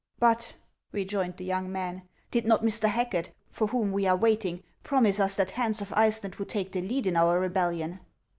" But," rejoined the young man, " did not Mr. Hacket, for whom we are waiting, promise us that Hans of Iceland would take the lead in our rebellion